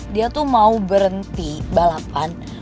dia tuh mau berhenti balapan